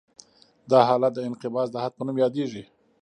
دا حالت د انقباض د حد په نوم یادیږي